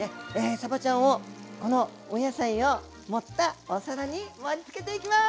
さばちゃんをこのお野菜を盛ったお皿に盛りつけていきます！